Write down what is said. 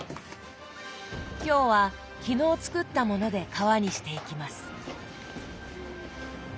今日は昨日作ったもので皮にしていきます。